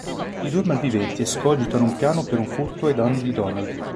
I due malviventi escogitano un piano per un furto ai danni di Donald.